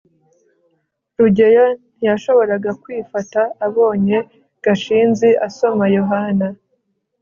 rugeyo ntiyashoboraga kwifata abonye gashinzi asoma yohana